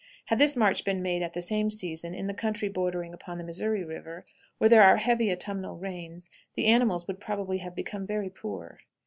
Had this march been made at the same season in the country bordering upon the Missouri River, where there are heavy autumnal rains, the animals would probably have become very poor.